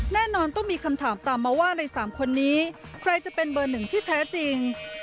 แน่นอนต้องมีคำถามตามมาว่าใน๓คนนี้ใครจะเป็นเบอร์หนึ่งที่แท้จริง